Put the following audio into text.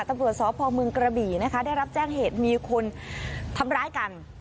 ตำรวจสพเมืองกระบี่นะคะได้รับแจ้งเหตุมีคนทำร้ายกัน